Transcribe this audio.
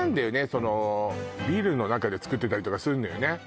そのビルの中でつくってたりとかするのよね